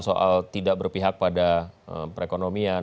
soal tidak berpihak pada perekonomian